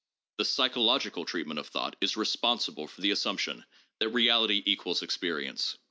The psychological treatment of thought is responsible for the assumption that reality equals experience.